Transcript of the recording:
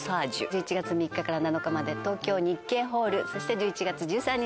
１１月３日から７日まで東京日経ホールそして１１月１３日